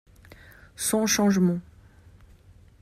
: Sans changement.